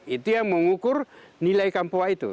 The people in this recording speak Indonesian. itu yang mengukur nilai kampua itu